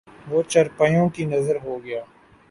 وہ چارپائیوں کی نذر ہو گیا